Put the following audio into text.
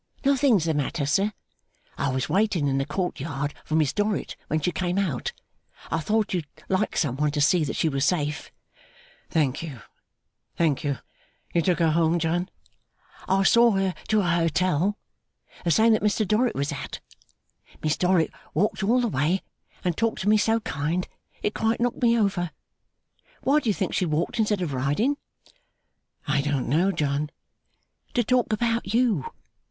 'Nothing's the matter, sir. I was waiting in the court yard for Miss Dorrit when she came out. I thought you'd like some one to see that she was safe.' 'Thank you, thank you! You took her home, John?' 'I saw her to her hotel. The same that Mr Dorrit was at. Miss Dorrit walked all the way, and talked to me so kind, it quite knocked me over. Why do you think she walked instead of riding?' 'I don't know, John.' 'To talk about you.